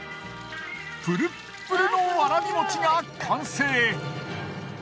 プルップルのわらびもちが完成。